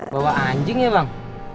bawa anjing ya bang